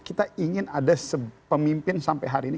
kita ingin ada pemimpin sampai hari ini